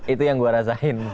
itu yang gue rasain